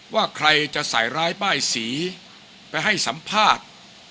ว่าใครจะใส่ร้ายป้ายสีไปให้สัมภาษณ์